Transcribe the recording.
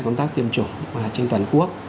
công tác tiêm chủng trên toàn quốc